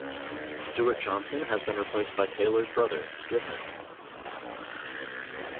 Stuart Johnson has been replaced by Taylor's brother, Griffin.